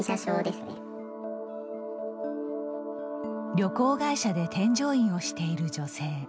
旅行会社で添乗員をしている女性。